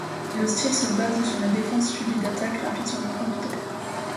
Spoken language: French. Le style se base sur la défense suivie d'attaque rapide sur les points vitaux.